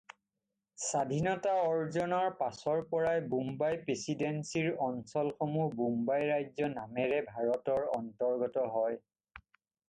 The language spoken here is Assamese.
স্বাধীনতা অৰ্জনৰ পাছৰ পৰাই বোম্বাই প্ৰেচিডেঞ্চিৰ অঞ্চলসমূহ বোম্বাই ৰাজ্য নামেৰে ভাৰতৰ অন্তৰ্গত হয়।